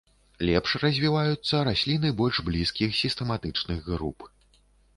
Лепш развіваюцца расліны больш блізкіх сістэматычных груп.